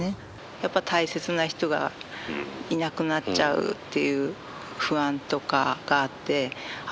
やっぱ大切な人がいなくなっちゃうっていう不安とかがあってあ